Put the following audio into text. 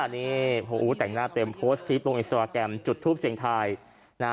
เนี่ยโหแต่งหน้าเต็มโพสต์ทริปตรงอินสตราแกรมจุดทูปเสียงไทยนะ